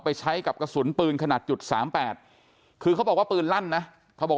ไปใช้กับกระสุนปืนขนาดจุด๓๘คือเขาบอกว่าปืนลั่นนะเขาบอก